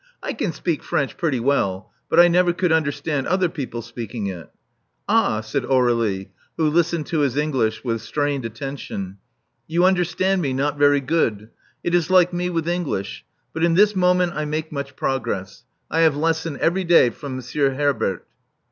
I can speak French pretty well; but I never could understand other people speaking it." Ah,*' said Aur^lie, who listened to his English with strained attention. You understand me not very goodh. It is like me with English. But in this moment I make much progress. I have lesson every day from Monsieur Herbert."